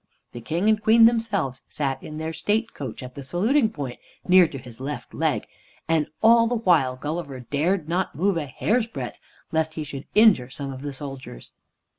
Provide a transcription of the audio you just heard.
The King and Queen themselves sat in their State Coach at the saluting point, near to his left leg, and all the while Gulliver dared not move a hair's breadth, lest he should injure some of the soldiers.